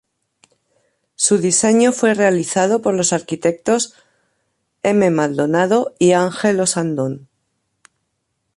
Su diseño fue realizado por los arquitectos M. Maldonado y Ángel Ossandón.